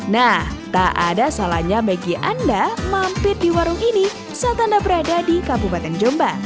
nah tak ada salahnya bagi anda mampir di warung ini saat anda berada di kabupaten jombang